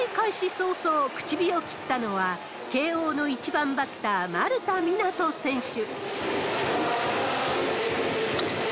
早々、口火を切ったのは、慶応の１番バッター、丸太湊斗選手。